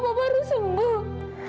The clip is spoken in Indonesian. papa harus sembuh